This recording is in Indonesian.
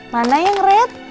mana yang meret